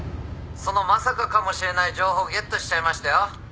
そのまさかかもしれない情報ゲットしちゃいましたよ。